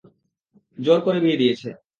জোর করে বিয়ে দিয়েছে।